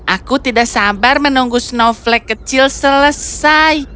aku tidak sabar menunggu snowflake kecil selesai